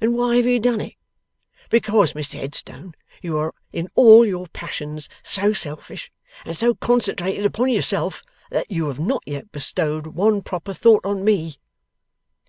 And why have you done it? Because, Mr Headstone, you are in all your passions so selfish, and so concentrated upon yourself that you have not bestowed one proper thought on me.